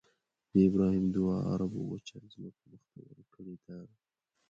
د ابراهیم دعا عربو وچه ځمکه بختوره کړې ده.